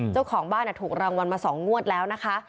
เจ้าของบ้านถูกรางวัลมา๒งวดแล้วนะคะ